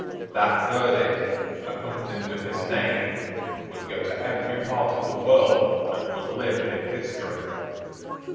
That verdict, accompanied with his name, would go to every part of the world, and would live in history.